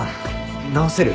直せる？